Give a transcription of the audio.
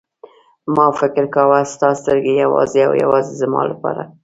ما فکر کاوه ستا سترګې یوازې او یوازې زما لپاره.